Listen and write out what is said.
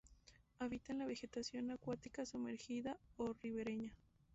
Habita en la vegetación acuática sumergida o ribereña.